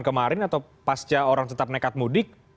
kemarin atau pasca orang tetap nekat mudik